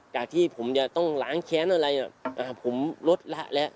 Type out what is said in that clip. ที่ผมจะต้องล้างแค้นอะไรผมลดละแล้ว